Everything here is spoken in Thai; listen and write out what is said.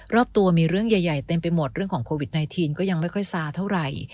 รอบตัวมีเรื่องใหญ่เต็มไปหมดเรื่องของโควิด๑๙ก็ยังไม่ค่อยซาเท่าไหร่